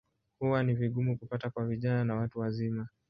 Huwa ni vigumu kupata kwa vijana na watu wazima.